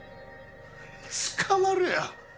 捕まるよ。